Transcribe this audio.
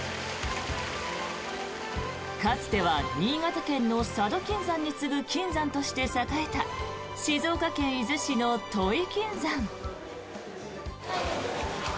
かつては新潟県の佐渡金山に次ぐ金山として栄えた静岡県伊豆市の土肥金山。